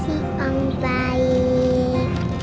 asik om baik